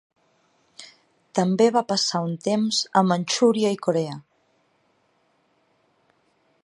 També va passar un temps a Manxúria i Corea.